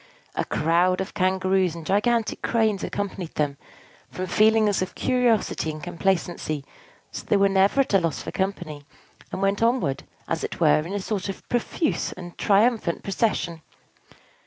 A crowd of Kangaroos and gigantic Cranes accompanied them, from feelings of curiosity and complacency; so that they were never at a loss for company, and went onward, as it were, in a sort of profuse and triumphant procession.